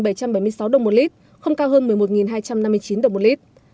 dầu hỏa giảm hai bảy trăm linh năm đồng một lít không cao hơn chín một trăm bốn mươi một đồng một lít